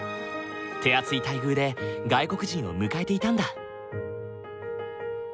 手厚い待遇で外国人を迎えていたんだ。